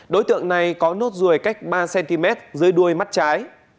đối tượng này có nốt ruồi cách ba cm dưới đuôi mắt trái